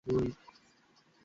চাইলে আমিও হাত লাগাতে পারি।